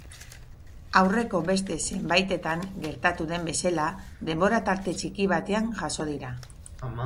Aurreko beste zenbaitetan gertatu den bezala, denbora tarte txiki batean jaso dira.